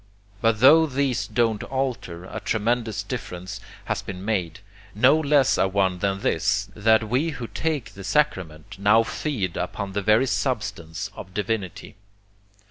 But tho these don't alter, a tremendous difference has been made, no less a one than this, that we who take the sacrament, now feed upon the very substance of divinity.